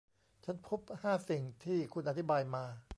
ฉันพบห้าสิ่งที่คุณอธิบายมา